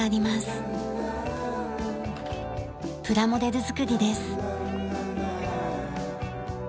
プラモデル作りです。